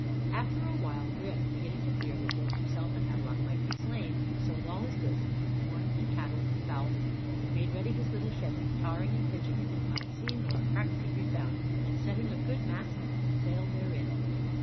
After a while Grim, beginning to fear that both himself and Havelok might be slain, sold all his goods, his corn, and cattle, and fowls, and made ready his little ship, tarring and pitching it till not a seam nor a crack could be found, and setting a good mast and sail therein.